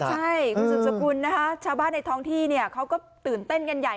ใช่คุณสุสกุลนะฮะชาวบ้านท้องที่ก็ตื่นเต้นกันใหญ่